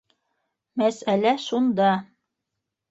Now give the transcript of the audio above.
Мәсьәлә шунда.